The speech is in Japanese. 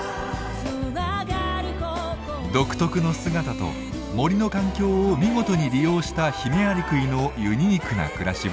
独特の姿と森の環境を見事に利用したヒメアリクイのユニークな暮らしぶり。